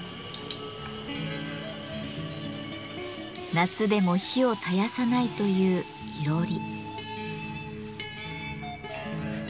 夏でも火を絶やさないといういろり。